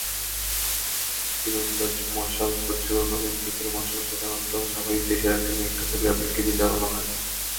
তিরন্দাজের মশাল প্রজ্বলনঅলিম্পিকের মশাল সাধারণত স্বাগতিক দেশের একজন বিখ্যাত ক্রীড়াবিদকে দিয়ে জ্বালানো হয়।